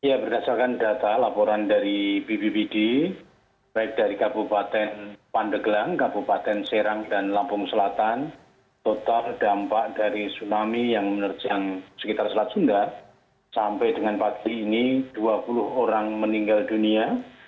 ya berdasarkan data laporan dari bbbd baik dari kabupaten pandeglang kabupaten serang dan lampung selatan total dampak dari tsunami yang menerjang sekitar selat sunda sampai dengan pagi ini dua puluh orang meninggal dunia